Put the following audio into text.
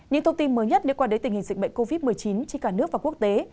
những thông tin mới nhất liên quan đến tình hình dịch bệnh covid một mươi chín trên cả nước và quốc tế